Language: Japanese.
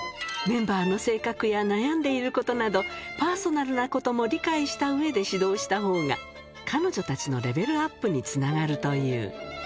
メンバーの性格や悩んでいることなど、パーソナルなことも理解したうえで指導したほうが、彼女たちのレベルアップにつながるという。